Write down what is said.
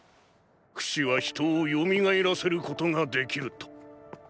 フシは人を蘇らせることができると！